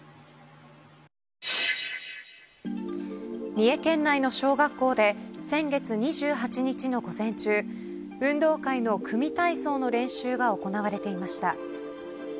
三重県内の小学校で先月２８日の午前中運動会の組み体操の練習が行われていました。